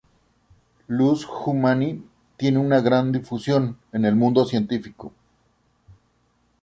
Ius Humani tiene una gran difusión en el mundo científico.